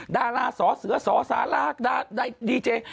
ดาราสอเสือสอสาราดาราดีเจย์